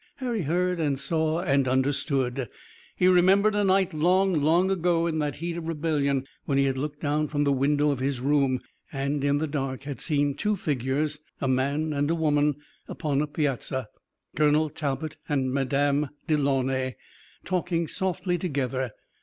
Harry heard and saw and understood. He remembered a night long, long ago in that heat of rebellion, when he had looked down from the window of his room, and, in the dark, had seen two figures, a man and a woman, upon a piazza, Colonel Talbot and Madame Delaunay, talking softly together.